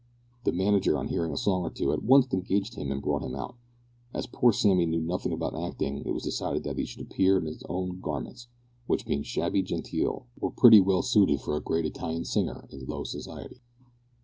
The manager, on hearing a song or two, at once engaged him and brought him out. As poor Sammy knew nothing about acting, it was decided that he should appear in his own garments, which, being shabby genteel, were pretty well suited for a great Italian singer in low society.